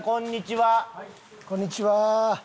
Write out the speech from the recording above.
はいこんにちは。